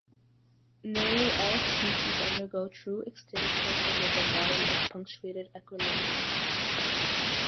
Nearly all species undergo true extinction under the model of punctuated equilibrium.